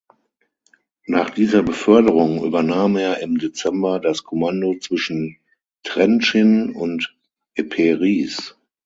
Nach dieser Beförderung übernahm er im Dezember das Kommando zwischen Trentschin und Eperies.